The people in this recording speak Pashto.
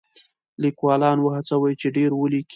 لیکوالان وهڅوئ چې ډېر ولیکي.